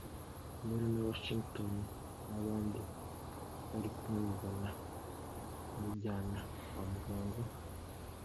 Pamela na Washington n’abandi bari kumwe babona kumujyana kwa muganga